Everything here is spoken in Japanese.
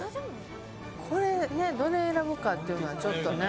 これねどれ選ぶかっていうのはちょっとね。